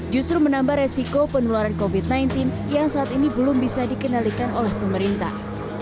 justru menambah resiko penularan covid sembilan belas yang saat ini belum bisa dikendalikan oleh pemerintah